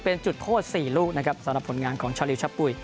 เป็นจุดโทษ๔ลูกนะครับสำหรับผลงานของชาวลิวชะปุ๋ย